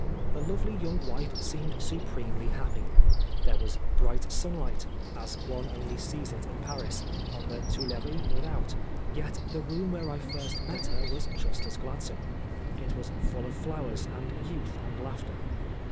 The lovely young wife seemed supremely happy. There was bright sunlight, as one only sees it in Paris, on the Tuileries with out, yet the room where I first met her was just as gladsome. It was full of flowers and youth and laughter.